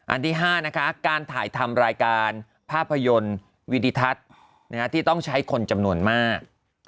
อันที่๕นะคะการถ่ายทำรายการภาพยนตร์วิดิทัศน์ที่ต้องใช้คนจำนวนมาก